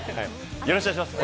よろしくお願いします。